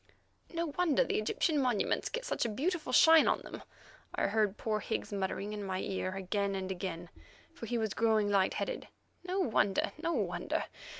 "No wonder the Egyptian monuments get such a beautiful shine on them," I heard poor Higgs muttering in my ear again and again, for he was growing light headed; "no wonder, no wonder!